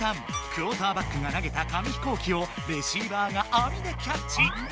クオーターバックが投げた紙飛行機をレシーバーがあみでキャッチ。